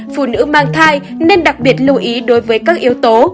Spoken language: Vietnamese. phụ nữ mang thai nên đặc biệt lưu ý đối với các yếu tố